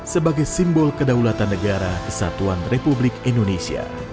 sebagai simbol kedaulatan negara kesatuan republik indonesia